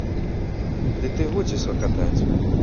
Ды ты годзе сакатаць!